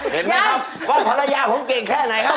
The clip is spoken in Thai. เห็นไหมครับว่าภรรยาผมเก่งแค่ไหนครับ